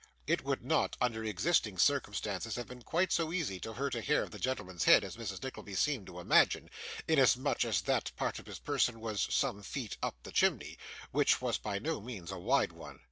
It would not, under existing circumstances, have been quite so easy to hurt a hair of the gentleman's head as Mrs. Nickleby seemed to imagine, inasmuch as that part of his person was some feet up the chimney, which was by no means a wide one.